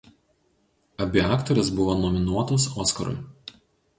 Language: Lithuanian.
Abi aktorės buvo nominuotos „Oskarui“.